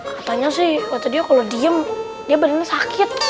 katanya sih waktu dia kalau diem dia benerin sakit